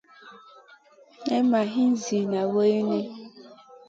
Nay ma ihn ziyna wulini.